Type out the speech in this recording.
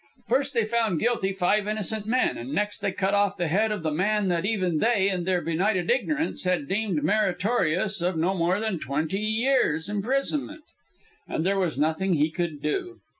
First they found guilty five innocent men, and next they cut off the head of the man that even they, in their benighted ignorance, had deemed meritorious of no more than twenty years' imprisonment. And there was nothing he could do.